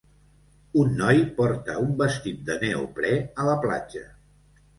Un noi porta un vestit de neoprè a la platja.